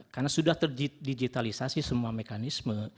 karena sudah terdigitalisasi semua mekanisme